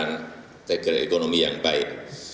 memberikan target ekonomi yang baik